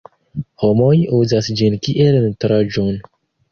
Homoj uzas ĝin kiel nutraĵon.